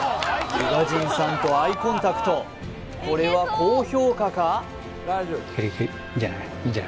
宇賀神さんとアイコンタクトこれは高評価か？